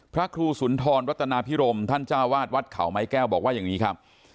พระครูสุนทรวัตนาพิรมท่านเจ้าวาดวัดเขาไม้แก้วบอกว่าอย่างนี้ครับ